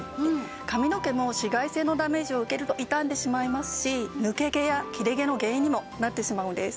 髪の毛も紫外線のダメージを受けると傷んでしまいますし抜け毛や切れ毛の原因にもなってしまうんです。